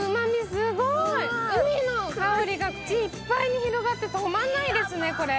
すごーい、海の香りが口いっぱいに広がって止まんないですね、これ。